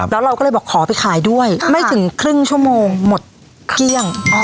แล้วเราก็เลยบอกขอไปขายด้วยไม่ถึงครึ่งชั่วโมงหมดเที่ยง